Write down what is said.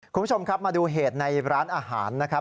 คุณผู้ชมครับมาดูเหตุในร้านอาหารนะครับ